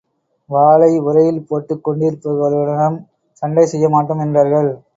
வாளை உறையில் போட்டுக் கொண்டிருப்பவர்களுடனும் சண்டை செய்ய மாட்டோம் என்றார்கள்.